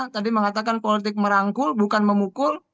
tadi mengatakan politik merangkul bukan memukul